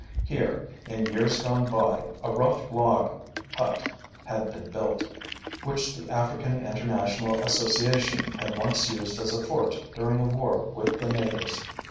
Here, in years gone by, a rough log hut had been built, which the African International Association had once used as a fort during a war with the natives.